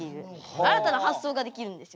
新たな発想ができるんですよ。